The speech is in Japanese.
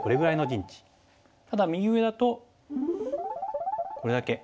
ただ右上だとこれだけ。